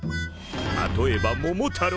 例えば「桃太郎」。